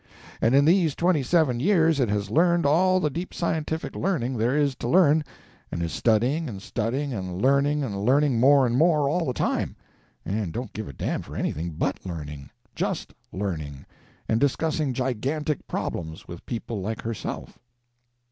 And in these twenty seven years it has learned all the deep scientific learning there is to learn, and is studying and studying and learning and learning more and more, all the time, and don't give a damn for anything but learning; just learning, and discussing gigantic problems with people like herself."